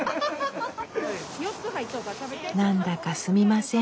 何だかすみません。